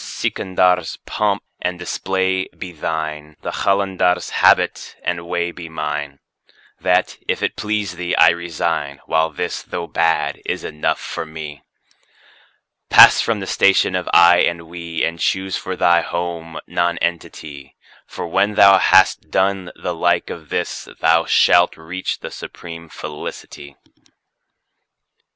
Sikandar's3 pomp and display be thine, the Qalandar's4 habit and way be mine; That, if it please thee, I resign, while this, though bad, is enough for me. Pass from the station of "I" and "We," and choose for thy home Nonentity, For when thou has done the like of this, thou shalt reach the supreme Felicity.